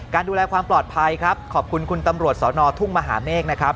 ดูแลความปลอดภัยครับขอบคุณคุณตำรวจสอนอทุ่งมหาเมฆนะครับ